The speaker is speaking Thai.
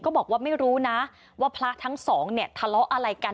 บอกว่าไม่รู้นะว่าพระทั้งสองเนี่ยทะเลาะอะไรกัน